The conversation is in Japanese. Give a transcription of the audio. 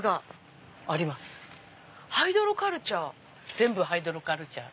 全部ハイドロカルチャー。